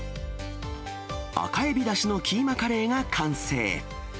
赤エビ出汁のキーマカレーが完成。